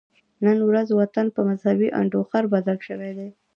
نن ورځ وطن په مذهبي انډوخر بدل شوی دی